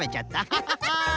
ハハハハ！